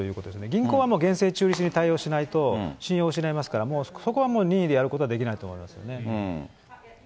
銀行はもう厳正、中立に対応しないと、信用を失いますから、そこは任意でやることはできないと思いますね。